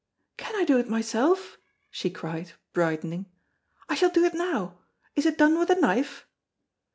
"Can I do it myself?" she cried, brightening. "I shall do it now. Is it done with a knife?"